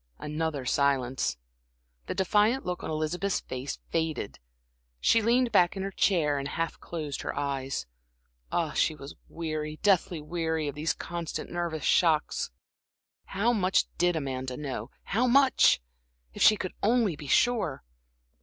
Another silence. The defiant look on Elizabeth's face faded; she leaned back in her chair and half closed her eyes. Ah, she was weary, deathly weary, of these constant nervous shocks. How much did Amanda know how much? If she could only be sure!